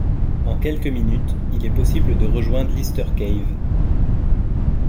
En quelques minutes, il est possible de rejoindre l'Easter Cave.